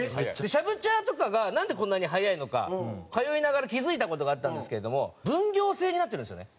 シャブチャーとかがなんでこんなに早いのか通いながら気付いた事があったんですけれども分業制になってるんですよね。